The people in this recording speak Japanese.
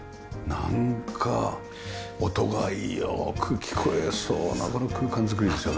なんか音がよく聴こえそうなこの空間作りですよね。